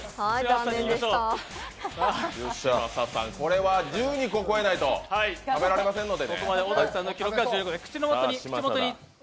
これは１２個超えないと食べられませんので。